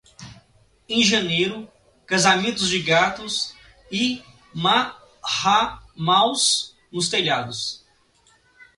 Em janeiro, casamentos de gatos e marramaus nos telhados.